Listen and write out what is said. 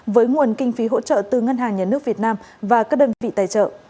với nguồn kinh phí hỗ trợ từ ngân hàng nhà nước việt nam và các đơn vị tài trợ